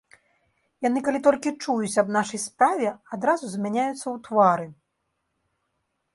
Яны калі толькі чуюць аб нашай справе, адразу змяняюцца ў твары.